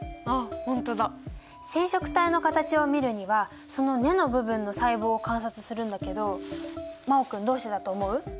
染色体の形を見るにはその根の部分の細胞を観察するんだけど真旺君どうしてだと思う？